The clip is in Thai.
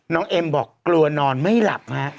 เอ็มบอกกลัวนอนไม่หลับฮะ